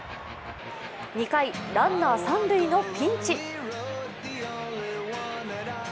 ２回、ランナー三塁のピンチ。